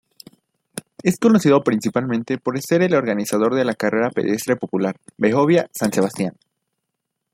Es conocido principalmente por ser el organizador de la carrera pedestre popular Behobia-San Sebastián.